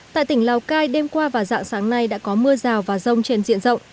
tại tỉnh lào cai đêm qua và dạng sáng nay đã có mưa rào và rông trên diện rộng